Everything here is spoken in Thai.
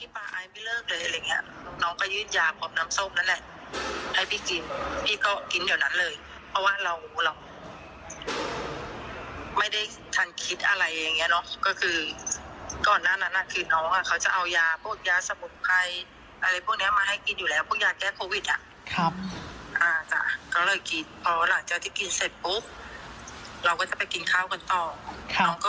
พอหลังจากที่กินเสร็จปุ๊บเราก็จะไปกินข้าวกันต่อน้องก็